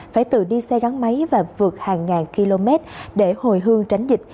phải tự đi xe gắn máy và vượt hàng ngàn km để hồi hương tránh dịch